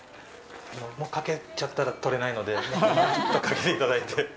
もうかけちゃったら取れないのでちょっとかけていただいて。